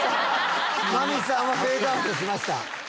真実さんはフェードアウトしました。